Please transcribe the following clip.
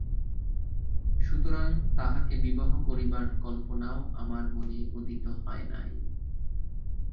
সুতরাং তাহাকে বিবাহ করিবার কল্পনাও আমার মনে উদিত হয় নাই।